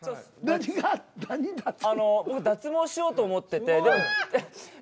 僕脱毛しようと思ってて。